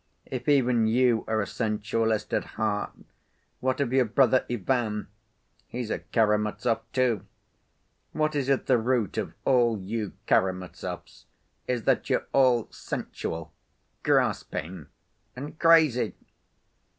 If even you are a sensualist at heart, what of your brother, Ivan? He's a Karamazov, too. What is at the root of all you Karamazovs is that you're all sensual, grasping and crazy!